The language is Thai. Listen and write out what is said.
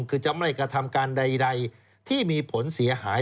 คือจะไม่กระทำการใดที่มีผลเสียหาย